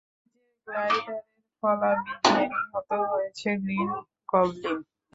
নিজের গ্লাইডারের ফলা বিঁধে নিহত হয়েছে গ্রিন গবলিন।